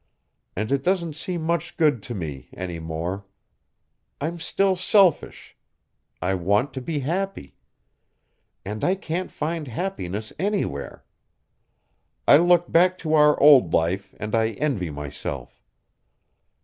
And it doesn't seem much good to me, any more. I'm still selfish. I want to be happy. And I can't find happiness anywhere. I look back to our old life and I envy myself.